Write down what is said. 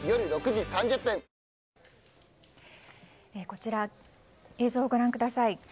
こちら、映像をご覧ください。